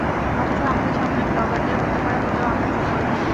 অথচ আমাদের সামনে ব্লগারদের হত্যা করা হলেও আমরা চুপ করে থাকি।